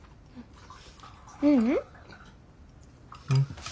ううん。